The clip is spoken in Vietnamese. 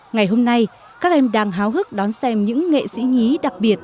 ngày hôm nay các em đang háo hức đón xem những nghệ sĩ nhí đặc biệt